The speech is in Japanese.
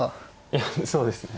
いやそうですね。